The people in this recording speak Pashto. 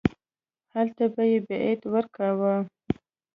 هلته به یې بیعت ورکاوه.